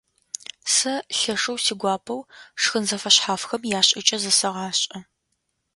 Сэ лъэшэу сигуапэу шхын зэфэшъхьафхэм яшӀыкӀэ зэсэгъашӀэ.